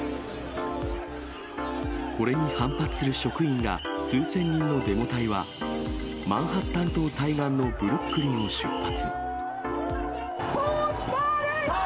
これに反発する職員ら数千人のデモ隊は、マンハッタン島対岸のブルックリンを出発。